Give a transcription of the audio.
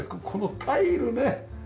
このタイルね。